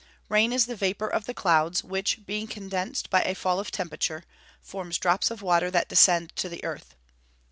_ Rain is the vapour of the clouds which, being condensed by a fall of temperature, forms drops of water that descend to the earth.